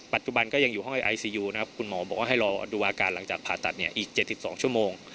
ปัจจุบันก็ยังอยู่ห้องไอซียูนะครับคุณหมอบอกว่าให้รอดูอาการหลังจากผ่าตัดเนี่ยอีก๗๒ชั่วโมง